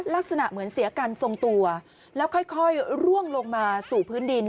ลักษณะเหมือนเสียกันทรงตัวแล้วค่อยร่วงลงมาสู่พื้นดิน